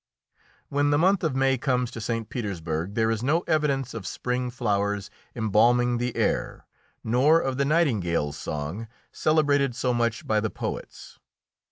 When the month of May comes to St. Petersburg there is no evidence of spring flowers embalming the air, nor of the nightingale's song, celebrated so much by the poets.